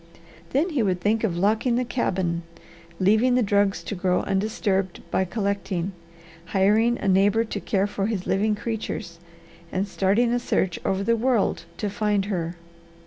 Then he would think of locking the cabin, leaving the drugs to grow undisturbed by collecting, hiring a neighbour to care for his living creatures, and starting a search over the world to find her.